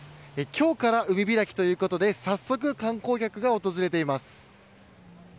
今日から海開きということで早速、観光客が訪れています。